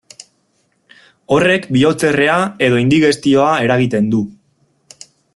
Horrek bihotzerrea edo indigestioa eragiten du.